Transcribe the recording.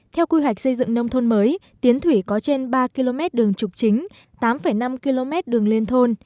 theo quy hoạch xây dựng nông thôn mới tiến thủy có trên ba km đường trục chính tám năm km đường liên thôn